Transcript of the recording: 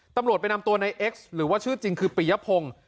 ตำรวจไปนำตัวในเอ็กซ์หรือว่าชื่อจริงคือปียพงศ์